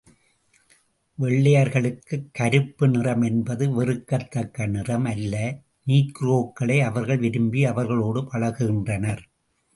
வெள்ளையர்களுக்குக் கருப்பு நிறம் என்பது வெறுக்கத் தக்க நிறம் அல்ல நீக்ரோக்களை அவர்கள் விரும்பி அவர்களோடு பழகுகின்றனர்.